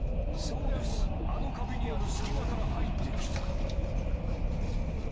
あの壁にある隙間から入ってきた。